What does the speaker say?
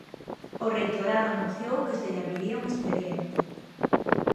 O reitorado anunciou que se lle abriría un expediente.